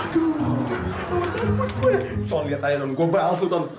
tol liat aja dong gue balas tuh